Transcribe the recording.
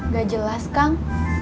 gak jelas kang